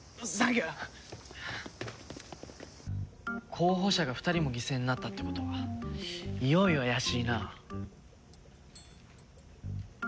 候補者が２人も犠牲になったって事はいよいよ怪しいな。